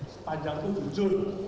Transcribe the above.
sepanjang itu jujur